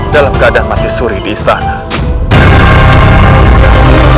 dalam keadaan mati suri di istana